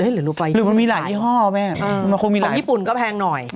หรือไงหรือมันมีหลายที่ห้อแม่อืมมันคงมีหลายของญี่ปุ่นก็แพงหน่อย